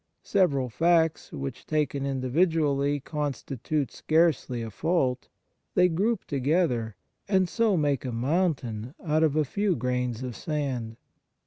Several facts which, taken individually, constitute scarcely a fault, they group together, and so make a mountain out of a few grains of sand.